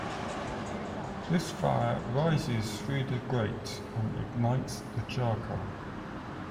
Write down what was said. This fire rises through the grate and ignites the charcoal.